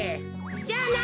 じゃあな！